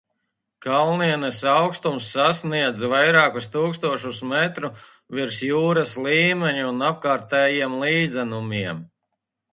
Kalnienes augstums sasniedz vairāku tūkstošus metru virs jūras līmeņa un apkārtējiem līdzenumiem.